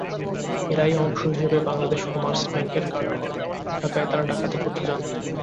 এরই অংশ হিসেবে বাংলাদেশ কমার্স ব্যাংকের কাঠগড়া শাখায় তারা ডাকাতি করতে যান।